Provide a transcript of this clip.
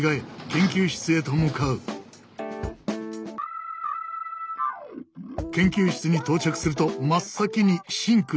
研究室に到着すると真っ先にシンクへ。